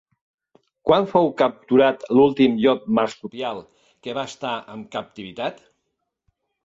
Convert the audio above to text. Quan fou capturat l'últim llop marsupial que va estar en captivitat?